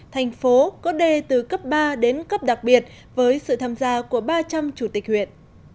thành phố có đề từ cấp ba đến cấp đặc biệt với sự tham gia của ba trăm linh chủ tịch huyện